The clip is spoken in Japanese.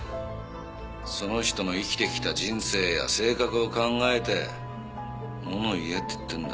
その人の生きてきた人生や性格を考えて物を言えって言ってんだ。